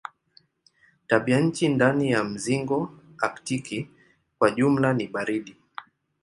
Tabianchi ndani ya mzingo aktiki kwa jumla ni baridi.